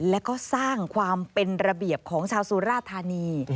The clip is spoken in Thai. แล้วก็สร้างความเป็นระเบียบของชาวสุราธานี